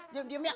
diam diam ya